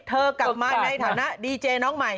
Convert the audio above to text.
กลับมาในฐานะดีเจน้องใหม่